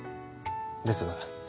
ですが